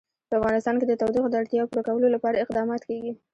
په افغانستان کې د تودوخه د اړتیاوو پوره کولو لپاره اقدامات کېږي.